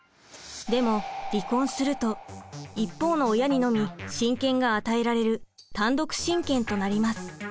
でも離婚すると一方の親にのみ親権が与えられる単独親権となります。